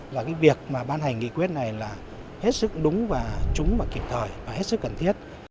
và cái việc mà ban hành nghị quyết này là hết sức đúng và trúng và kịp thời và hết sức cần thiết